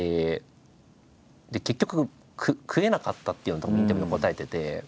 で結局食えなかったっていうのをたぶんインタビューで答えてて。